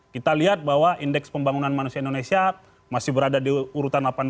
kita lihat bahwa indeks pembangunan manusia indonesia masih berada di urutan delapan puluh enam